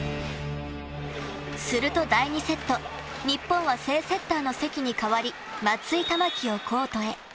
すると、第２セット日本は正セッターの関に代わり松井珠己をコートへ。